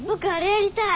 やりたい！